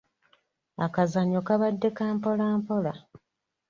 Akazannyo kabadde ka mpola mpola.